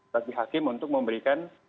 bagi hakim untuk memberikan